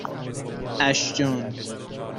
اَشجان